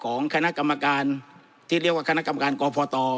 ของคณะกรรมการที่เรียกว่าคณะกรรมการกพต